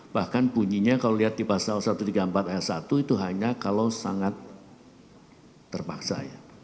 bahkan bunyinya kalau lihat di pasal satu ratus tiga puluh empat ayat satu itu hanya kalau sangat terpaksa ya